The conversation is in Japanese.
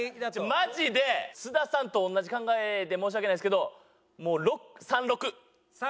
マジで津田さんと同じ考えで申し訳ないですけどもう３６。３６？